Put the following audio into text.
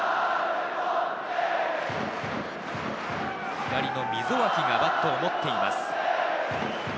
左の溝脇がバットを持っています。